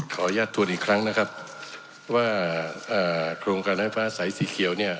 ขออนุญาตทวนอีกครั้งนะครับว่าโครงการไฟฟ้าสายสีเขียวเนี่ย